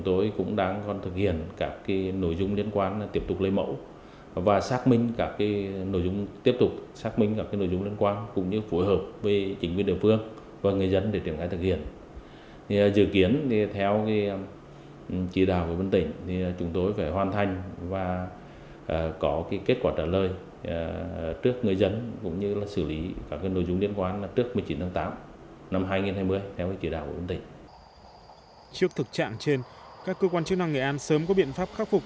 trước thực trạng trên các cơ quan chức năng nghệ an sớm có biện pháp khắc phục